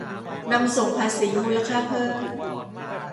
นำส่งภาษีมูลค่าเพิ่ม